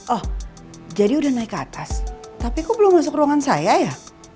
oh jadi udah naik ke atas tapi kok belum masuk ruangan saya ya